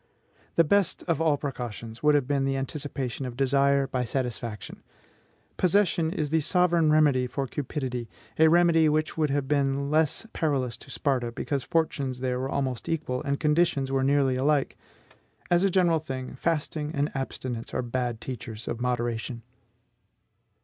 The best of all precautions would have been the anticipation of desire by satisfaction. Possession is the sovereign remedy for cupidity, a remedy which would have been the less perilous to Sparta because fortunes there were almost equal, and conditions were nearly alike. As a general thing, fasting and abstinence are bad teachers of moderation.